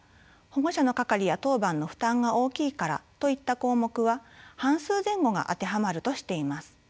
「保護者の係や当番の負担が大きいから」といった項目は半数前後があてはまるとしています。